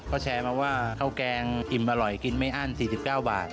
ก็แชร์มาว่าข้าวแกงอิ่มอร่อยกินไม่อั้น๔๙บาท